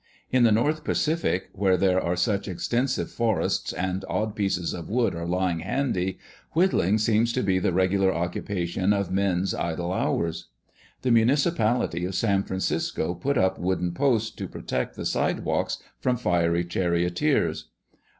In the North Pacific, where there are such extensive forests and odd pieces of wood are lying handy, whittling seems to be the regular occupation of men's idle hours. The municipality of San Francisco put up wooden posts to protect the side walks from fiery charioteers.